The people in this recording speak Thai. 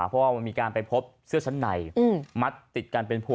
เพราะว่ามันมีการไปพบเสื้อชั้นในมัดติดกันเป็นผัว